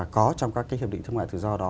có trong các cái hiệp định thương mại tự do đó